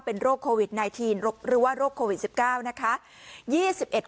เป็นโรคโควิด๑๙หรือว่าโรคโควิด๑๙นะคะ